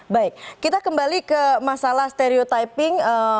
baik kita kembali ke masalah stereotyping